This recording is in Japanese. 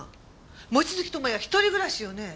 望月友也１人暮らしよね？